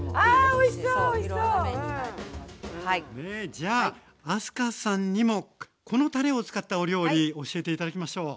じゃあ明日香さんにもこのたれを使ったお料理教えて頂きましょう。